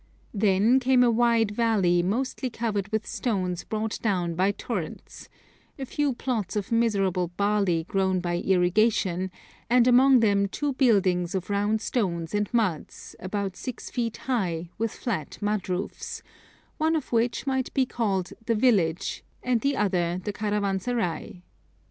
Then came a wide valley mostly covered with stones brought down by torrents, a few plots of miserable barley grown by irrigation, and among them two buildings of round stones and mud, about six feet high, with flat mud roofs, one of which might be called the village, and the other the caravanserai.